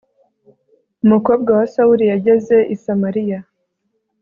umukobwa wa sawuli yageze i samaliya